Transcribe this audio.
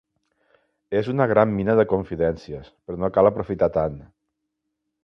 És una gran mina de confidències, per no cal aprofitar tant.